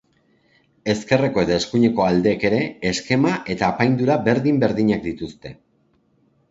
Ezkerreko eta eskuineko aldeek ere eskema eta apaindura berdin-berdinak dituzte.